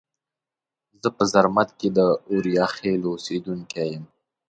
زه په زرمت کې د اوریاخیلو اوسیدونکي یم.